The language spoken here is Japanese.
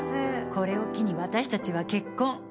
これを機に私たちは結婚。